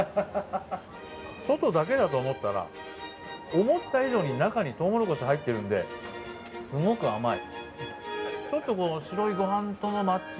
外だけだと思ったら思った以上に中にとうもろこし入ってるのですごく甘い。